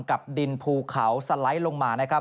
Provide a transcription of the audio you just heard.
กับดินภูเขาสไลด์ลงมานะครับ